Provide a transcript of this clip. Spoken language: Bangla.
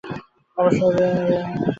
অশ্বের বেগ অপেক্ষাকৃত সংযম করিতে হইল!